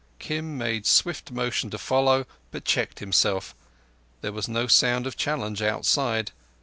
Kim made swift motion to follow, but checked himself. There was no sound of challenge outside.